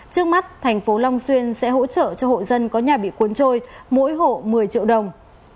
trước mắt thành phố long xuyên sẽ hỗ trợ cho hộ dân có nhà bị cuốn trôi mỗi hộ một mươi triệu đồng